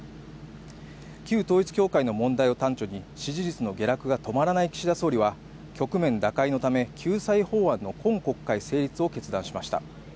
旧統一教会の問題を端緒に支持率の下落が止まらない岸田総理は、局面打開のため、救済法案の今国会成立を決断しました。